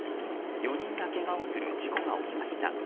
４人がけがをする事故が起きました。